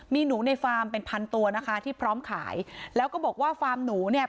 มีหนูในฟาร์มเป็นพันตัวนะคะที่พร้อมขายแล้วก็บอกว่าฟาร์มหนูเนี่ย